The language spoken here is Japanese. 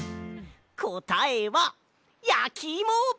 こたえはやきいも！